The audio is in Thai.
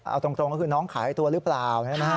เอาตรงก็คือน้องขายตัวหรือเปล่า